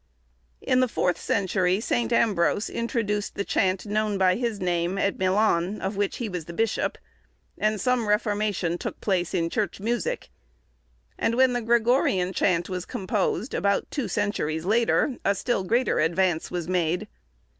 In the fourth century, St. Ambrose introduced the chant known by his name, at Milan, of which he was the bishop, and some reformation took place in church music; and when the Gregorian chant was composed, about two centuries later, a still greater advance was made.